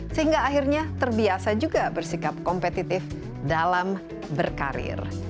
sehingga akhirnya terbiasa juga bersikap kompetitif dalam berkarir